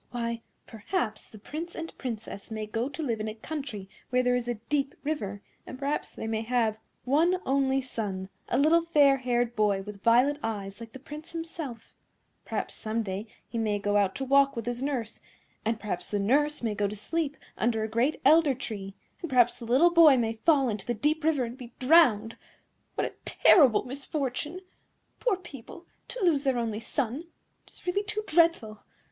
Why, perhaps the Prince and Princess may go to live in a country where there is a deep river, and perhaps they may have one only son, a little fair haired boy with violet eyes like the Prince himself; and perhaps some day he may go out to walk with his nurse; and perhaps the nurse may go to sleep under a great elder tree; and perhaps the little boy may fall into the deep river and be drowned. What a terrible misfortune! Poor people, to lose their only son! It is really too dreadful!